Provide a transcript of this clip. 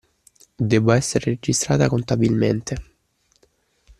Debba essere registrata contabilmente